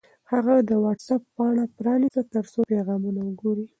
هغه د وټس-اپ پاڼه پرانیسته ترڅو پیغامونه وګوري.